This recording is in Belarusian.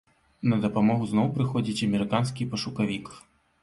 На дапамогу зноў прыходзіць амерыканскі пашукавік.